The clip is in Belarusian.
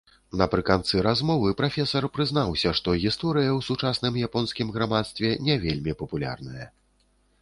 Напрыканцы размовы прафесар прызнаўся, што гісторыя ў сучасным японскім грамадстве не вельмі папулярная.